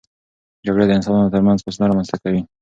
جګړه د انسانانو ترمنځ فاصله رامنځته کوي.